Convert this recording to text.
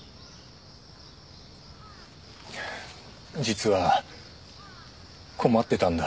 実は困ってたんだ。